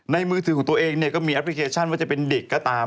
มือถือของตัวเองเนี่ยก็มีแอปพลิเคชันว่าจะเป็นเด็กก็ตาม